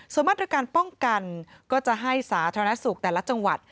ส่วนมาตรการป้องกันก็จะให้สาธารณสุขแต่ละจังหวัด